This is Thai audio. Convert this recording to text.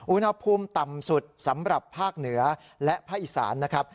อุณหภูมิต่ำสุดสำหรับภาคเหนือและภาคอีสานนะครับ